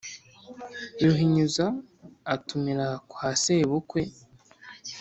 Ruhinyuza atumira kwa sebukwe,